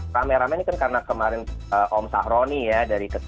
rame rame ini kan karena kemarin om sahroni ya